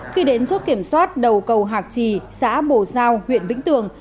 khi đến chốt kiểm soát đầu cầu hạc trì xã bồ giao huyện vĩnh tường